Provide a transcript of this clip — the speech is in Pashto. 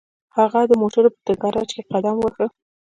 هغه د موټرو په ګراج کې قدم واهه